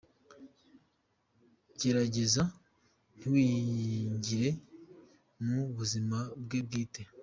Gerageza ntiwingire mu buzima bwe bwite